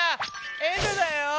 エンドゥだよ！